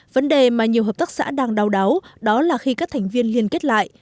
vấn đề mà nhiều hợp tác xã đang đau đáu đó là khi các thành viên liên kết lại